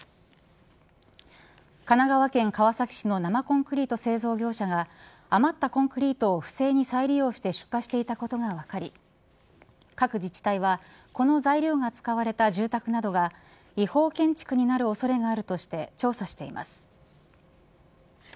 神奈川県川崎市の生コンクリート製造業者が余ったコンクリートを不正に再利用して出荷していたことが分かり各自治体はこの材料が使われた住宅などが違法建築になる恐れがあるとして調査しています。